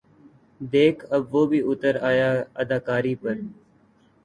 دیکھ اب وہ بھی اُتر آیا اداکاری پر